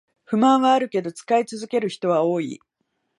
不満はあるけど使い続ける人は多い